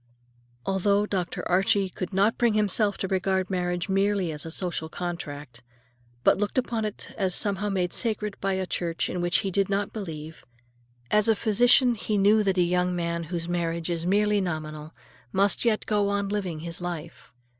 Although Dr. Archie could not bring himself to regard marriage merely as a social contract, but looked upon it as somehow made sacred by a church in which he did not believe,—as a physician he knew that a young man whose marriage is merely nominal must yet go on living his life.